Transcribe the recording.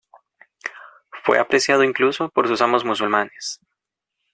Fue apreciado incluso por sus amos musulmanes.